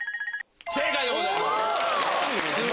正解でございます！